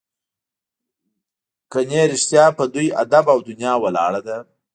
ګنې رښتیا په دوی ادب او دنیا ولاړه ده.